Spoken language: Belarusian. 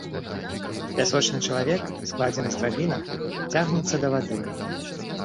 Пясочны чалавек, складзены з драбінак, цягнецца да вады.